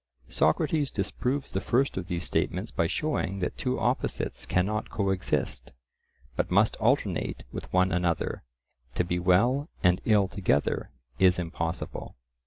Socrates disproves the first of these statements by showing that two opposites cannot coexist, but must alternate with one another—to be well and ill together is impossible.